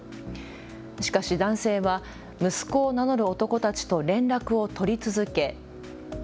しかし男性は、息子を名乗る男たちと連絡を取り続け。